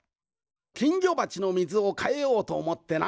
きんぎょばちのみずをかえようとおもってな。